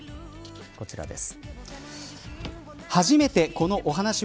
こちらです。